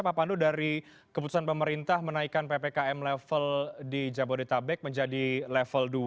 pak pandu dari keputusan pemerintah menaikkan ppkm level di jabodetabek menjadi level dua